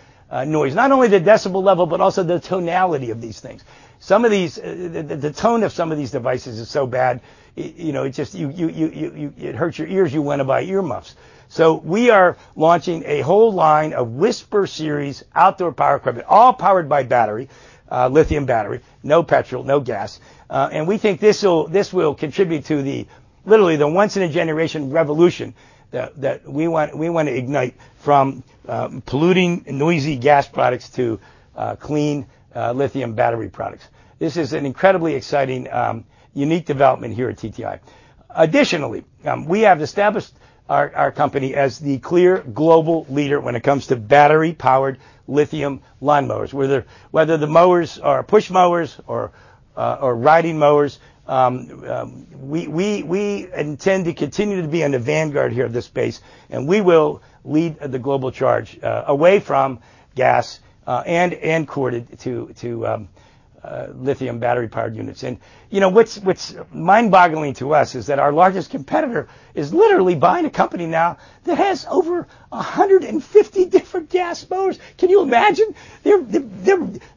noise. Not only the decibel level, but also the tonality of these things. The tone of some of these devices is so bad, it hurts your ears. You want to buy earmuffs. We are launching a whole line of Whisper Series outdoor power equipment, all powered by battery, lithium battery. No petrol, no gas. We think this will contribute to the, literally, the once-in-a-generation revolution that we want to ignite from polluting noisy gas products to clean lithium battery products. This is an incredibly exciting, unique development here at TTI. Additionally, we have established our company as the clear global leader when it comes to battery-powered lithium lawnmowers. Whether the mowers are push mowers or riding mowers, we intend to continue to be on the vanguard here of this space, and we will lead the global charge away from gas and corded to lithium battery-powered units. What's mind-boggling to us is that our largest competitor is literally buying a company now that has over 150 different gas mowers. Can you imagine.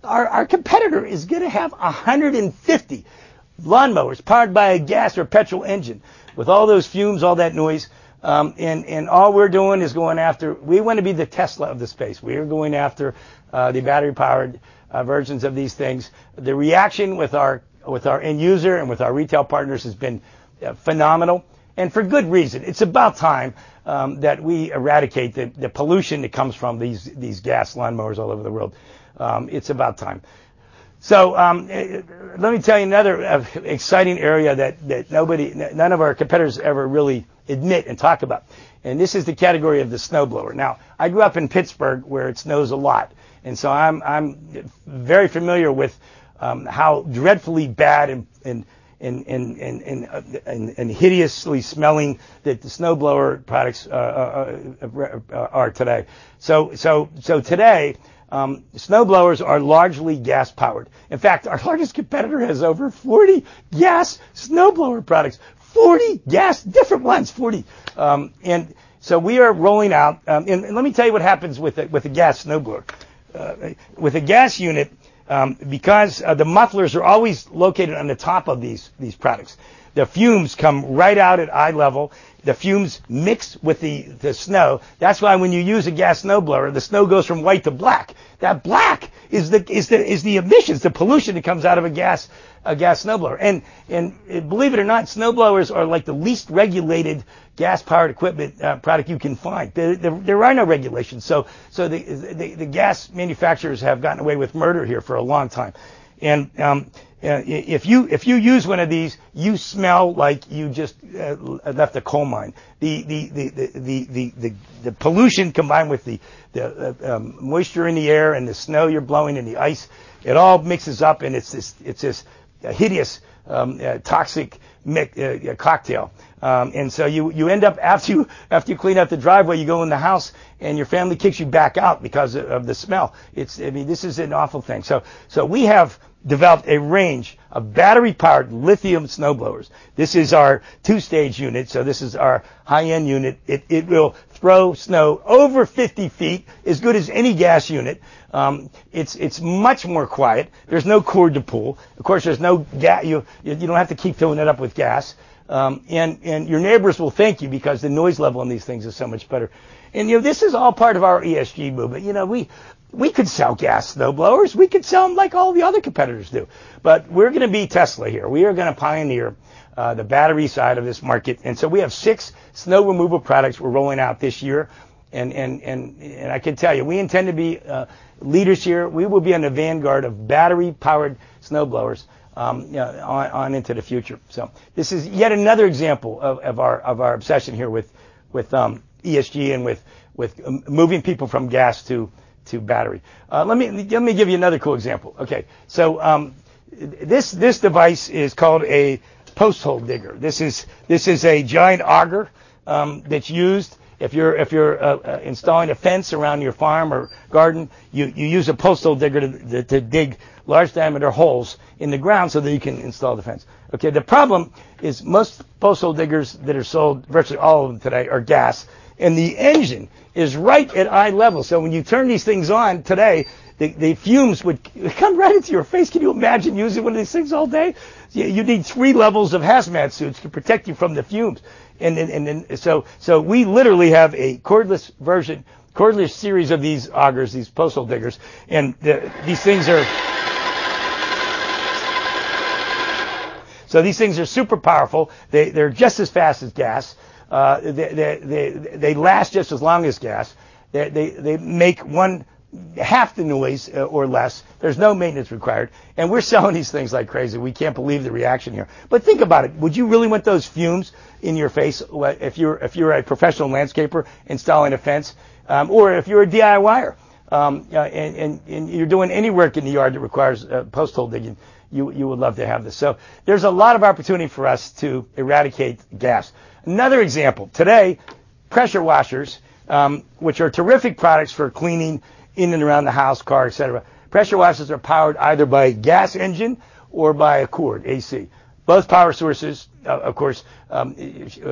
Our competitor is going to have 150 lawnmowers powered by a gas or petrol engine with all those fumes, all that noise. We want to be the Tesla of the space. We are going after the battery-powered versions of these things. The reaction with our end user and with our retail partners has been phenomenal, for good reason. It's about time that we eradicate the pollution that comes from these gas lawnmowers all over the world. It's about time. Let me tell you another exciting area that none of our competitors ever really admit and talk about. This is the category of the snowblower. Now, I grew up in Pittsburgh, where it snows a lot. I'm very familiar with how dreadfully bad and hideously smelly that the snowblower products are today. Today, snowblowers are largely gas-powered. In fact, our largest competitor has over 40 gas snowblower products. 40 gas-- Different ones. 40. Let me tell you what happens with a gas snowblower. With a gas unit, because the mufflers are always located on the top of these products, the fumes come right out at eye level. The fumes mix with the snow. That's why when you use a gas snowblower, the snow goes from white to black. That black is the emissions, the pollution that comes out of a gas snowblower. Believe it or not, snowblowers are the least regulated gas-powered equipment product you can find. There are no regulations. The gas manufacturers have gotten away with murder here for a long time. If you use one of these, you smell like you just left a coal mine. The pollution combined with the moisture in the air and the snow you're blowing and the ice, it all mixes up, and it's this hideous, toxic cocktail. You end up, after you clean out the driveway, you go in the house, and your family kicks you back out because of the smell. This is an awful thing. We have developed a range of battery-powered lithium snowblowers. This is our 2-stage unit, so this is our high-end unit. It will throw snow over 50 feet as good as any gas unit. It's much more quiet. There's no cord to pull. Of course, you don't have to keep filling it up with gas, and your neighbors will thank you because the noise level on these things is so much better. This is all part of our ESG movement. We could sell gas snowblowers. We could sell them like all the other competitors do. We're going to be Tesla here. We are going to pioneer the battery side of this market. We have 6 snow removal products we're rolling out this year, and I can tell you, we intend to be leaders here. We will be on the vanguard of battery-powered snowblowers on into the future. This is yet another example of our obsession here with ESG and with moving people from gas to battery. Let me give you another cool example. This device is called a posthole digger. This is a giant auger that's used if you're installing a fence around your farm or garden. You use a posthole digger to dig large diameter holes in the ground so that you can install the fence. The problem is most posthole diggers that are sold, virtually all of them today, are gas, and the engine is right at eye level. When you turn these things on today, the fumes would come right into your face. Can you imagine using one of these things all day? You'd need 3 levels of hazmat suits to protect you from the fumes. We literally have a cordless version, cordless series of these augers, these posthole diggers. These things are super powerful. They're just as fast as gas. They last just as long as gas. They make one half the noise or less. There's no maintenance required. We're selling these things like crazy. We can't believe the reaction here. Think about it. Would you really want those fumes in your face if you're a professional landscaper installing a fence? If you're a DIYer, and you're doing any work in the yard that requires posthole digging, you would love to have this. There's a lot of opportunity for us to eradicate gas. Another example, today, pressure washers, which are terrific products for cleaning in and around the house, car, et cetera. Pressure washers are powered either by gas engine or by a cord, AC. Both power sources, of course,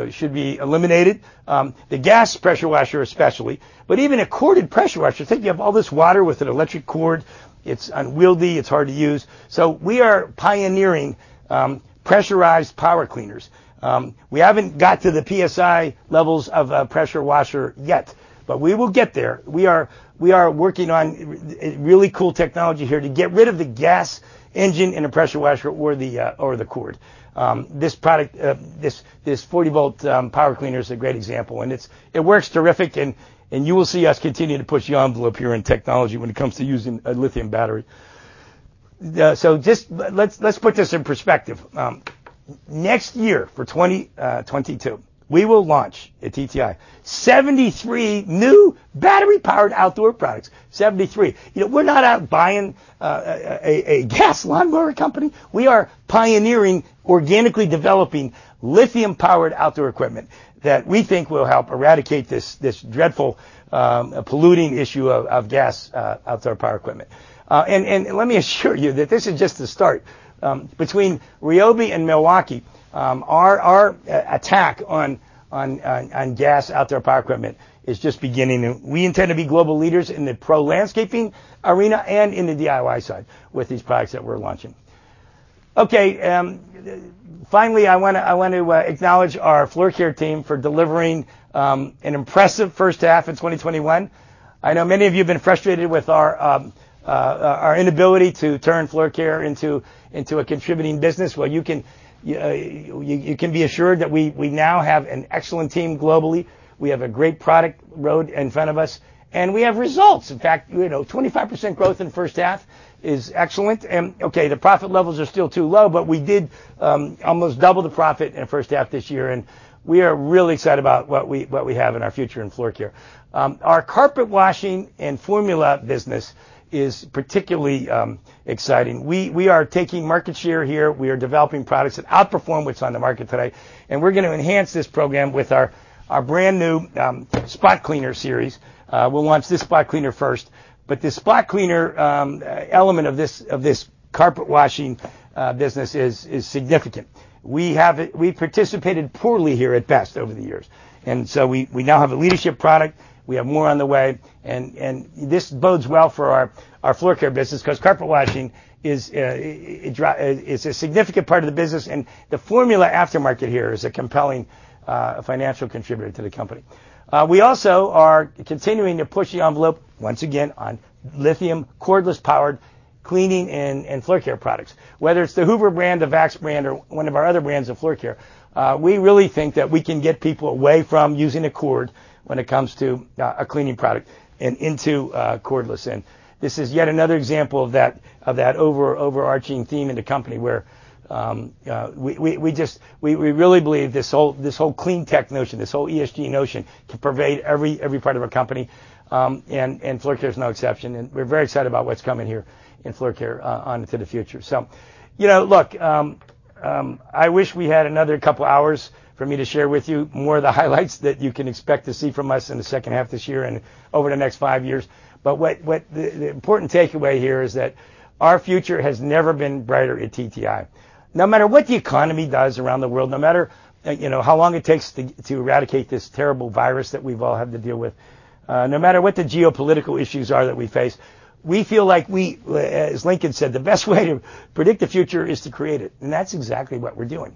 should be eliminated. The gas pressure washer especially. Even a corded pressure washer, think you have all this water with an electric cord. It's unwieldy. It's hard to use. We are pioneering pressurized power cleaners. We haven't got to the PSI levels of a pressure washer yet, but we will get there. We are working on really cool technology here to get rid of the gas engine in a pressure washer or the cord. This product, this 40-volt power cleaner is a great example. It works terrific and you will see us continue to push the envelope here in technology when it comes to using a lithium battery. Just let's put this in perspective. Next year, for 2022, we will launch at TTI 73 new battery-powered outdoor products. 73. We're not out buying a gas lawnmower company. We are pioneering organically developing lithium-powered outdoor equipment that we think will help eradicate this dreadful polluting issue of gas outdoor power equipment. Let me assure you that this is just the start. Between RYOBI and Milwaukee, our attack on gas outdoor power equipment is just beginning. We intend to be global leaders in the pro landscaping arena and in the DIY side with these products that we're launching. Okay, finally, I want to acknowledge our floor care team for delivering an impressive first half in 2021. I know many of you have been frustrated with our inability to turn floor care into a contributing business. Well, you can be assured that we now have an excellent team globally. We have a great product road in front of us, and we have results. In fact, 25% growth in the first half is excellent. Okay, the profit levels are still too low, but we did almost double the profit in the first half of this year, and we are really excited about what we have in our future in floor care. Our carpet washing and formula business is particularly exciting. We are taking market share here. We are developing products that outperform what's on the market today, and we're going to enhance this program with our brand new spot cleaner series. We'll launch this spot cleaner first, but the spot cleaner element of this carpet washing business is significant. We participated poorly here at best over the years. We now have a leadership product. We have more on the way, and this bodes well for our floor care business because carpet washing is a significant part of the business, and the formula aftermarket here is a compelling financial contributor to the company. We also are continuing to push the envelope, once again, on lithium cordless-powered cleaning and floor care products. Whether it's the Hoover brand, the VAX brand, or one of our other brands of floor care, we really think that we can get people away from using a cord when it comes to a cleaning product and into cordless. This is yet another example of that overarching theme in the company where we really believe this whole clean tech notion, this whole ESG notion, can pervade every part of our company, and floor care is no exception. We're very excited about what's coming here in floor care on into the future. Look, I wish we had another couple of hours for me to share with you more of the highlights that you can expect to see from us in the second half of this year and over the next five years. What the important takeaway here is that our future has never been brighter at TTI. No matter what the economy does around the world, no matter how long it takes to eradicate this terrible virus that we've all had to deal with, no matter what the geopolitical issues are that we face, we feel like we, as Lincoln said, "The best way to predict the future is to create it." That's exactly what we're doing.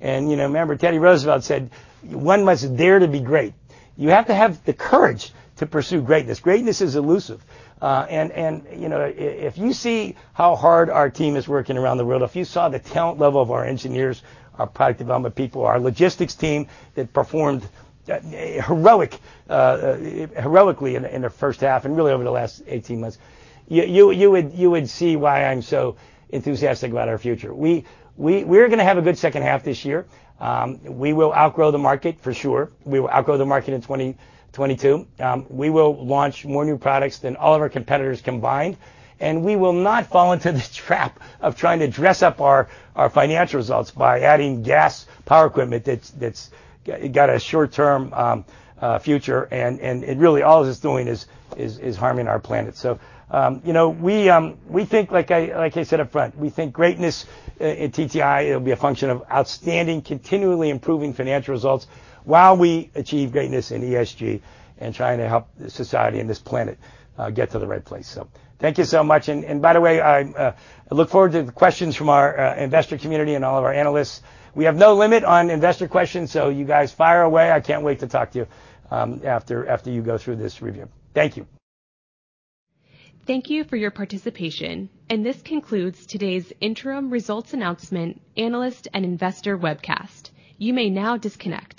Remember Teddy Roosevelt said, "One must dare to be great." You have to have the courage to pursue greatness. Greatness is elusive. If you see how hard our team is working around the world, if you saw the talent level of our engineers, our product development people, our logistics team that performed heroically in the first half and really over the last 18 months, you would see why I'm so enthusiastic about our future. We're going to have a good second half this year. We will outgrow the market for sure. We will outgrow the market in 2022. We will launch more new products than all of our competitors combined, and we will not fall into the trap of trying to dress up our financial results by adding gas power equipment that's got a short-term future, and really all it's doing is harming our planet. We think, like I said up front, we think greatness at TTI, it'll be a function of outstanding, continually improving financial results while we achieve greatness in ESG and trying to help society and this planet get to the right place. Thank you so much. By the way, I look forward to the questions from our investor community and all of our analysts. We have no limit on investor questions, so you guys fire away. I can't wait to talk to you after you go through this review. Thank you. Thank you for your participation. This concludes today's interim results announcement analyst and investor webcast. You may now disconnect.